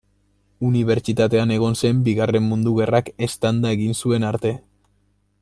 Unibertsitatean egon zen Bigarren Mundu Gerrak eztanda egin zuen arte.